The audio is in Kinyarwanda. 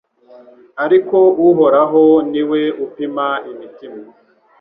ariko Uhoraho ni we upima imitima